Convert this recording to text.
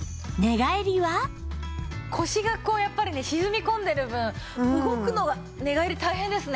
腰がこうやっぱりね沈み込んでる分動くのが寝返り大変ですね。